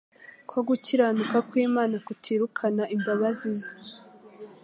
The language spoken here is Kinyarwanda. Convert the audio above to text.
ko gukiranuka kw'Imana kutirukana imbabazi ze,